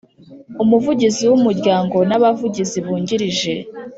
Umuvugizi w umuryango n abavugizi b ungirije